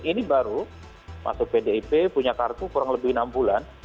ini baru masuk pdip punya kartu kurang lebih enam bulan